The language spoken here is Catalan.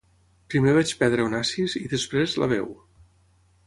Primer vaig perdre Onassis i després, la veu.